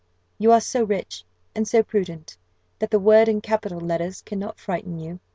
You are so rich, and so prudent, that the word in capital letters cannot frighten you.